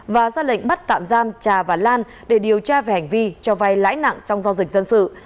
và ra lệnh bắt tạm giam trà và lan để điều tra về hành vi cho vay lãi nặng trong giao dịch dân sự